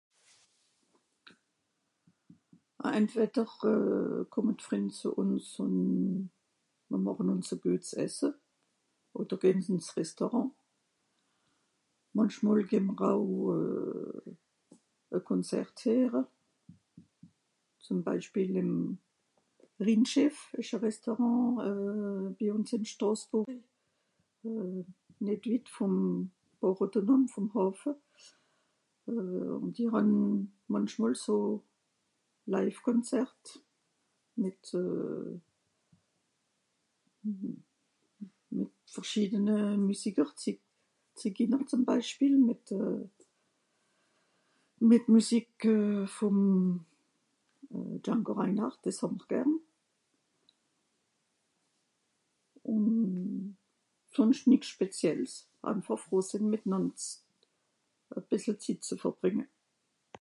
(...) euh... kùmme d'Frìnd zù ùns ùn mr màche ùns e guets esse, odder gehn ìn's Restaurant. Mànchmol geh mr au e Konzert heere. Zùm Beispiel ìm Rhinschiff ìsch e Restaurant euh... bi ùns ìn Strosbùrri. Nìt witt vùm port autonome, vùm Hàffe euh... ùn die hàn mànchmol so live Konzert, mìt euh... mìt verschiedene Müsiker, Zi...Zikiner zùm Beispiel mìt Müsik vùm Jungo Rheinhart, dìs hà'mr gern. Ùn sùnscht nìx speziels, einfàch froh sìnn mìtnànd e bìssel Zitt ze verbrìnge.